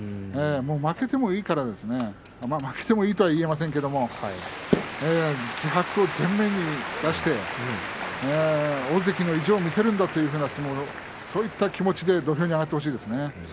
負けてもいいから負けてもいいとは言えませんが気迫を前面に出して大関の意地を見せるんだというような相撲を、そういった気持ちで土俵に上がってほしいですね。